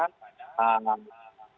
pembangunan dan pembangunan